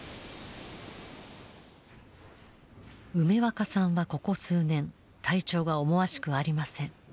梅若さんはここ数年体調が思わしくありません。